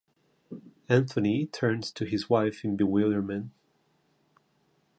Anthony turned to his wife in bewilderment.